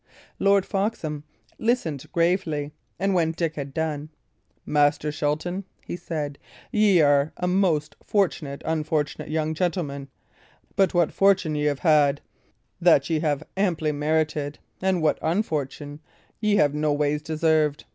Lord Foxham listened gravely, and when Dick had done, "Master Shelton," he said, "ye are a most fortunate unfortunate young gentleman; but what fortune y' 'ave had, that ye have amply merited; and what unfortune, ye have noways deserved.